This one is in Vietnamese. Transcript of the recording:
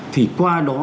thì qua đó